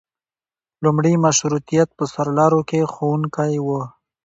لومړي مشروطیت په سرلارو کې ښوونکي وو.